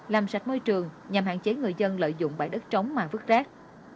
làm sạch môi trường nhằm hạn chế người dân lợi dụng bãi đất trống mang vứt rác